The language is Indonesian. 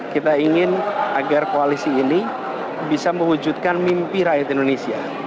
kita ingin agar koalisi ini bisa mewujudkan mimpi rakyat indonesia